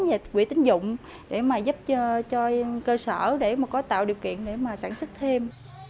và quỹ tính dụng để mà giúp cho cơ sở để mà có tạo điều kiện để mà sản xuất thêm